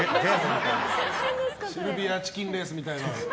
シルビアチキンレースみたいな。